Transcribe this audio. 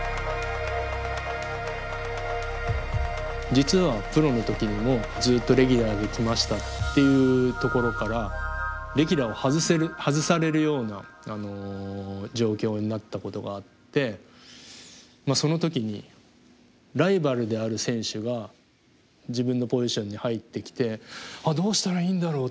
実はプロの時にもずっとレギュラーで来ましたっていうところからレギュラーを外されるような状況になったことがあってその時にライバルである選手が自分のポジションに入ってきてどうしたらいいんだろうって。